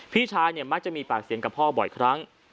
พี่ชายเนี่ยมักจะมีปากเสียงกับพ่อบ่อยครั้ง